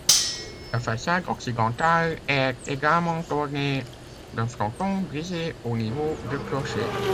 La façade occidentale est également ornée d'un fronton, brisé au niveau du clocher.